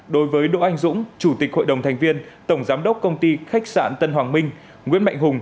đối với đỗ anh dũng chủ tịch hội đồng thành viên tổng giám đốc công ty khách sạn tân hoàng minh